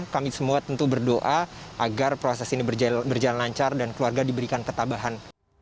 kami semua tentu berdoa agar proses ini berjalan lancar dan keluarga diberikan ketabahan